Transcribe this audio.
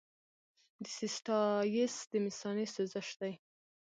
د سیسټایټس د مثانې سوزش دی.